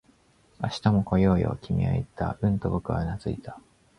「明日も来ようよ」、君は言った。うんと僕はうなずいた